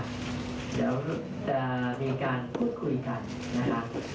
เดี๋ยวจะมีการพูดคุยกันนะคะ